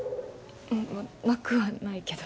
なくはないけど。